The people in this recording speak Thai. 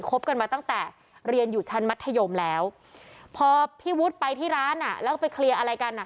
บกันมาตั้งแต่เรียนอยู่ชั้นมัธยมแล้วพอพี่วุฒิไปที่ร้านอ่ะแล้วก็ไปเคลียร์อะไรกันอ่ะ